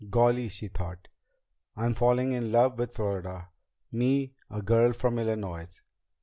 "Golly," she thought, "I'm falling in love with Florida! Me! A girl from Illinois!"